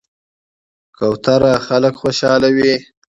کوتره خلک خوشحالوي.